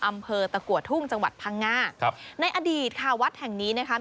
อำเภอตะกัวทุ่งจังหวัดพังงาครับในอดีตค่ะวัดแห่งนี้นะคะ